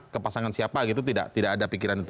kepasangan siapa gitu tidak ada pikiran itu